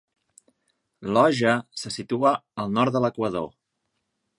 Loja se situa al nord de l'Equador.